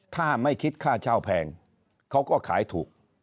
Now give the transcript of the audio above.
ถ้าไม่คิดค่าเช่าแพงเขาก็ขายถูก